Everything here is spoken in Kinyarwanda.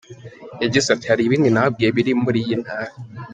Yagize ati “Hari ibindi nababwiye biri muri iyi ntara.